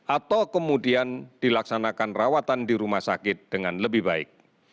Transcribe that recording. atau kemudian dilaksanakan rawatan di rumah sakit dengan lebih baik